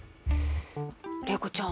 怜子ちゃん。